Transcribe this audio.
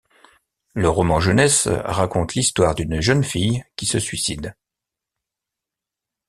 Le roman jeunesse raconte l’histoire d’une jeune fille qui se suicide.